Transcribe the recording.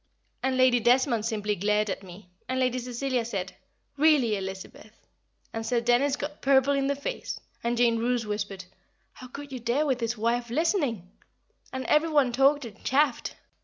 and Lady Desmond simply glared at me, and Lady Cecilia said, "Really, Elizabeth!" and Sir Dennis got purple in the face, and Jane Roose whispered, "How could you dare with his wife listening!" and every one talked and chaffed.